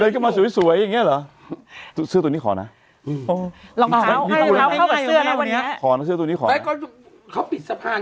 ขอนักเชื้อตัวนี้ขอก็เขาปิดสะพาน